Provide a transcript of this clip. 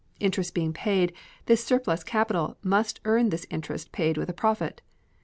Interest being paid, this surplus capital must earn this interest paid with a profit.